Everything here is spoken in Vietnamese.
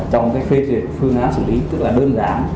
trong cái phương án xử lý tức là đơn giản